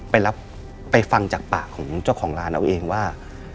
ไปฟังจากปากของเจ้าของร้านเอาเองว่า